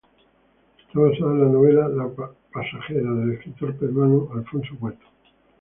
Esta basada en la novela "La pasajera" del escritor peruano Alonso Cueto.